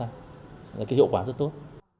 đấy là cái hiệu quả rất tốt